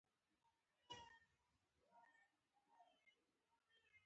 چې دا القاعده دى.